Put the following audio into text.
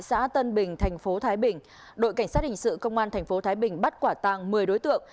xã tân bình thành phố thái bình đội cảnh sát hình sự công an tp thái bình bắt quả tàng một mươi đối tượng